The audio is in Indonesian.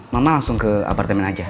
mama langsung ke apartemen aja